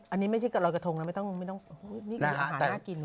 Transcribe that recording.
อันนี้ไม่ใช่กับรอยกระทงนะไม่ต้องนี่คืออาหารน่ากิน